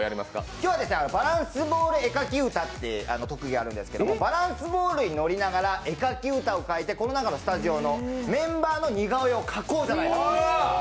今日はバランスボール絵描き歌という特技があるんですけど、バランスボールに乗りながら絵描き歌を歌いながらメンバーの似顔絵を描こうじゃないかと。